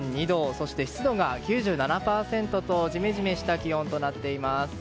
そして湿度が９７％とジメジメした気温となっています。